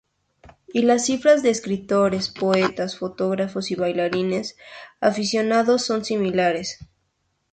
Y las cifras de escritores, poetas, fotógrafos y bailarines aficionados son similares.